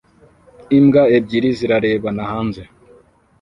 Imbwa ebyiri zirarebana hanze